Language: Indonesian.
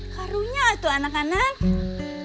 harusnya kamu tuh jangan buang buang dong airnya